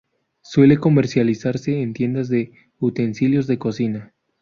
Suele comercializarse en tiendas de utensilios de cocina.